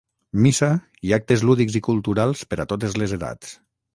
Missa i actes lúdics i culturals per a totes les edats.